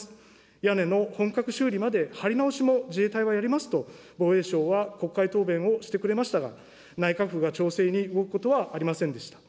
屋根の本格修理まで張り直しも自衛隊はやりますと、防衛省は国会答弁をしてくれましたが、内閣府が調整に動くことはありませんでした。